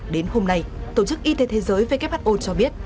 đến hôm nay tổ chức y tế thế giới who cho biết